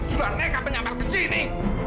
sudah mereka penyambar ke sini